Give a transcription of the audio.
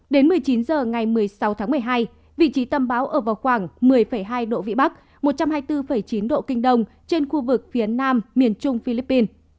đến một mươi chín h ngày một mươi sáu tháng một mươi hai vị trí tâm bão ở vào khoảng một mươi hai độ vĩ bắc một trăm hai mươi bốn chín độ kinh đông trên khu vực phía nam miền trung philippines